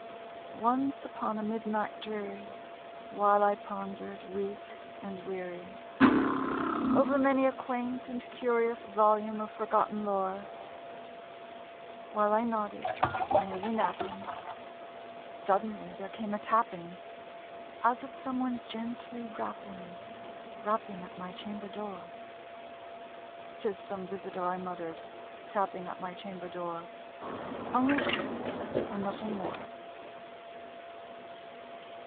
Once upon a midnight dreary, while I pondered, weak and weary, Over many a quaint and curious volume of forgotten lore While I nodded, nearly napping, suddenly there came a tapping, As of some one gently rapping rapping at my chamber door. "'Tis some visitor," I muttered, "tapping at my chamber door Only this and nothing more."